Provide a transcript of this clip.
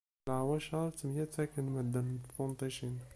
Di leɛwacer ttemyettakken medden tunṭicin.